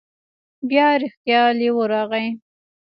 بیا رښتیا لیوه راغی.